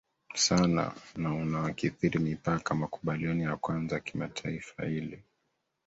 Sana na Unaokithiri Mipaka makubaliano ya kwanza ya kimataifa ili